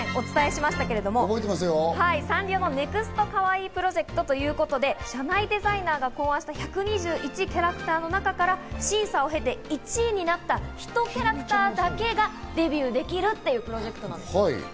『スッキリ』でも以前、お伝えしましたけどサンリオのＮＥＸＴＫＡＷＡＩＩＰＲＯＪＥＣＴということで、社内デザイナーが考案した１２１キャラクターの中から、審査を経て、１位になった１キャラクターだけがデビューできるっていうプロジェクトです。